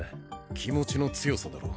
気持ちの強さだろ。